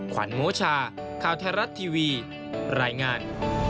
ขวัญโมชาข่าวไทยรัฐทีวีรายงาน